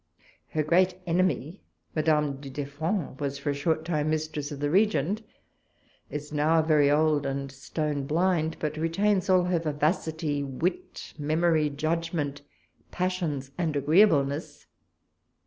Her great enemy, Madame du Deffand, was for a short time mistress of the Regent, is now very old and stoneblind, but retains all her vivacity, wit, memory, judgment, passions, and agree ableness.